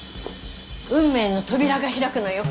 運命の扉が開くのよ